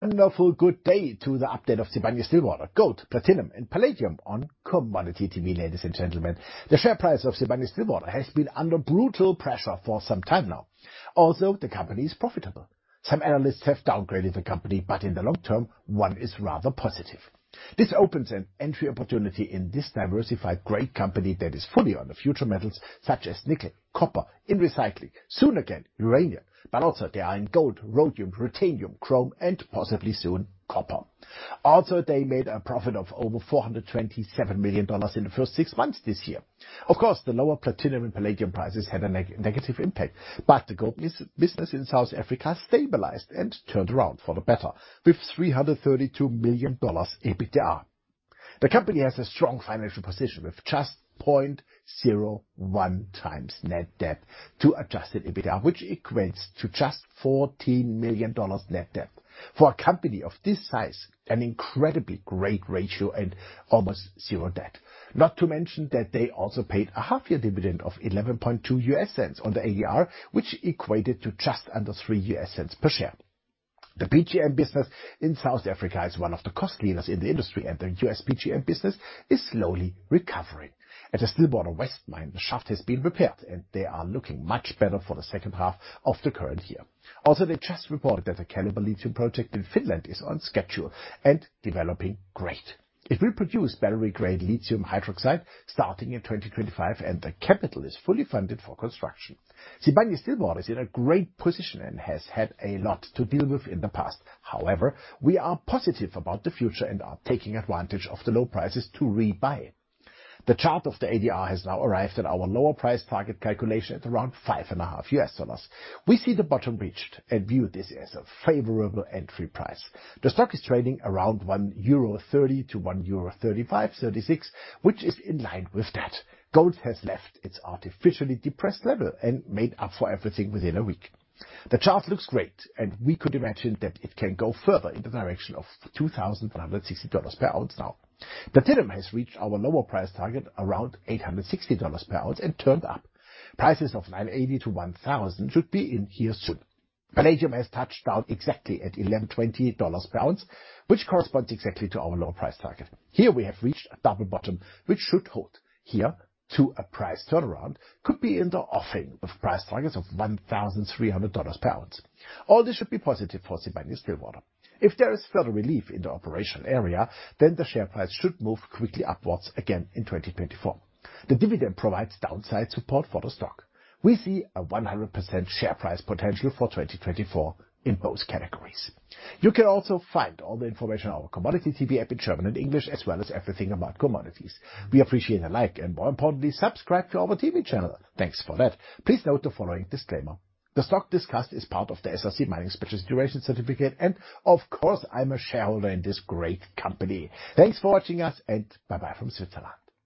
Wonderful, good day to the update of Sibanye-Stillwater: gold, platinum, and palladium on Commodity-TV, ladies and gentlemen. The share price of Sibanye-Stillwater has been under brutal pressure for some time now. Although the company is profitable, some analysts have downgraded the company, but in the long term, one is rather positive. This opens an entry opportunity in this diversified, great company that is fully on the future metals, such as nickel, copper in recycling, soon again, uranium. But also, they are in gold, rhodium, ruthenium, chrome, and possibly soon copper. Also, they made a profit of over $427 million in the first six months this year. Of course, the lower platinum and palladium prices had a negative impact, but the gold business in South Africa stabilized and turned around for the better, with $332 million EBITDA. The company has a strong financial position, with just 0.01x net debt to adjusted EBITDA, which equates to just $14 million net debt. For a company of this size, an incredibly great ratio and almost zero debt. Not to mention that they also paid a half-year dividend of $0.112 on the ADR, which equated to just under $0.03 per share. The PGM business in South Africa is one of the cost leaders in the industry, and the U.S. PGM business is slowly recovering. At the Stillwater West mine, the shaft has been repaired, and they are looking much better for the second half of the current year. Also, they just reported that the Keliber lithium project in Finland is on schedule and developing great. It will produce battery-grade lithium hydroxide starting in 2025, and the capital is fully funded for construction. Sibanye-Stillwater is in a great position and has had a lot to deal with in the past. However, we are positive about the future and are taking advantage of the low prices to rebuy. The chart of the ADR has now arrived at our lower price target calculation at around $5.50. We see the bottom reached and view this as a favorable entry price. The stock is trading around 1.30-1.36 euro, which is in line with that. Gold has left its artificially depressed level and made up for everything within a week. The chart looks great, and we could imagine that it can go further in the direction of $2,160 per ounce now. Platinum has reached our lower price target, around $860 per ounce, and turned up. Prices of $980-$1,000 should be in here soon. Palladium has touched down exactly at $1,120 per ounce, which corresponds exactly to our lower price target. Here, we have reached a double bottom, which should hold. Here, too, a price turnaround could be in the offing, with price targets of $1,300 per ounce. All this should be positive for Sibanye-Stillwater. If there is further relief in the operational area, then the share price should move quickly upwards again in 2024. The dividend provides downside support for the stock. We see a 100% share price potential for 2024 in both categories. You can also find all the information on our Commodity-TV app in German and English, as well as everything about commodities. We appreciate a like, and more importantly, subscribe to our TV channel. Thanks for that. Please note the following disclaimer: The stock discussed is part of the SRC Mining Special Situations Certificate, and of course, I'm a shareholder in this great company. Thanks for watching us, and bye-bye from Switzerland.